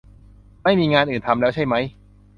ไม่มีงานอื่นทำแล้วใช่มั้ย